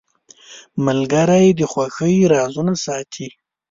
ملګری د خوښۍ رازونه ساتي.